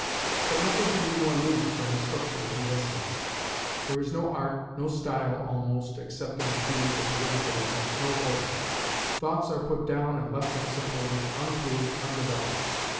But nothing can be more loose than the structure of the essays. There is no art, no style, almost, except in a few the political ones no order: thoughts are put down and left unsupported, unproved, undeveloped.